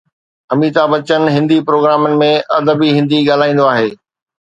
اميتاڀ بچن هندي پروگرامن ۾ ادبي هندي ڳالهائيندو آهي.